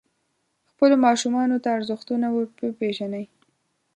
خپلو ماشومانو ته ارزښتونه وروپېژنئ.